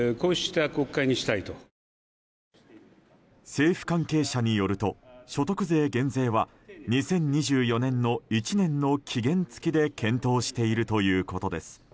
政府関係者によると所得税減税は２０２４年の１年の期限付きで検討しているということです。